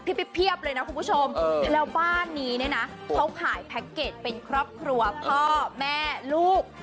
ไปเพียบเลยนะคุณผู้ชมแล้วบ้านนี้เนี่ยนะเขาขายแพ็คเกจเป็นครอบครัวพ่อแม่ลูก